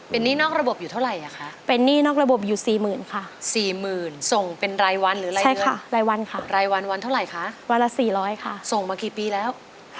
นี่นอกระบบอยู่เท่าไหร่อ่ะคะเป็นหนี้นอกระบบอยู่๔๐๐๐ค่ะ๔๐๐๐ส่งเป็นรายวันหรือรายคะรายวันค่ะรายวันวันเท่าไหร่คะวันละ๔๐๐ค่ะส่งมากี่ปีแล้ว